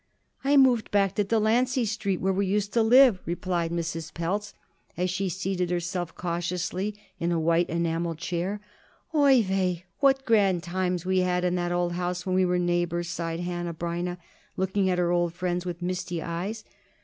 "I moved back to Delancey Street, where we used to live," replied Mrs. Pelz as she seated herself cautiously in a white enameled chair. "Oi weh! what grand times we had in that old house when we were neighbors!" sighed Hanneh Breineh, looking at her old friend with misty eyes.